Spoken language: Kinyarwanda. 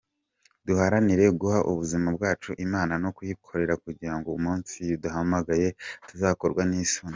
Duharanire guha ubuzima bwacu Imana no kuyikorera kugira ngo umunsi yaduhamagaye tutazakorwa n’isoni.